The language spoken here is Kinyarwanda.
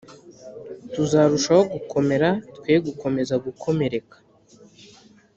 Tuzarushaho gukomera twe gukomeza gukomereka